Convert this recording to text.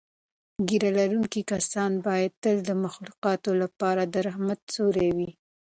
ږیره لرونکي کسان باید تل د مخلوقاتو لپاره د رحمت سیوری وي.